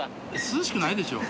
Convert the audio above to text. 涼しくないでしょ。